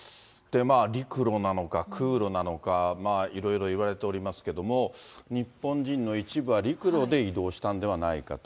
陸路なのか、空路なのか、いろいろいわれておりますけれども、日本人の一部は陸路で移動したんではないかと。